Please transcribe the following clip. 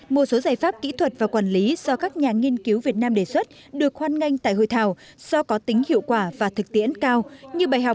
một số giải pháp kỹ thuật và quản lý do các nhà nghiên cứu việt nam đề xuất được hoan nghênh tại hội thảo do có tính hiệu quả và thực tiễn cao